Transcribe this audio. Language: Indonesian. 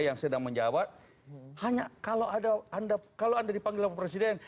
yang sedang menjawab hanya kalau anda dipanggil sama presiden